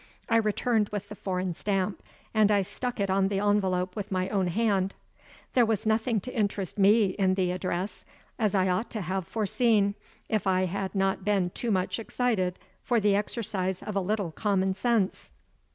I returned with the foreign stamp, and I stuck it on the envelope with my own hand. There was nothing to interest me in the address, as I ought to have foreseen, if I had not been too much excited for the exercise of a little common sense.